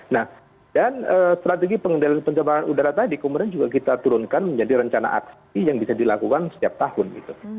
nah dan strategi pengendalian pencemaran udara tadi kemudian juga kita turunkan menjadi rencana aksi yang bisa dilakukan setiap tahun gitu